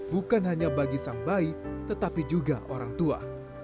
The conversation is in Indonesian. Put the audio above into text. bukan hanya bagi sang bayi tetapi juga orang tua